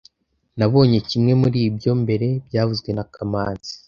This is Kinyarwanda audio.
Nabonye kimwe muri ibyo mbere byavuzwe na kamanzi